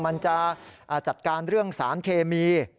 มันจะจัดการเรื่องสารเคมี